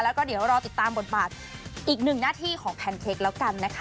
แล้วก็เดี๋ยวรอติดตามบทบาทอีกหนึ่งหน้าที่ของแพนเค้กแล้วกันนะคะ